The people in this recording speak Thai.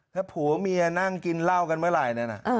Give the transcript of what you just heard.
ถ้าผัวเมียนั่งกินเหล้ากันเมื่อไหร่เนี่ยนะ